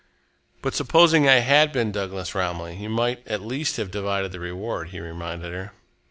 "But supposing I had been Douglas Romilly, you might at least have divided the reward," he reminded her.